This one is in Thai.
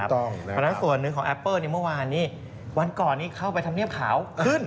เพราะฉะนั้นส่วนหนึ่งของแอปเปอร์เมื่อวานนี้วันก่อนนี้เข้าไปทำเนียบขาวขึ้น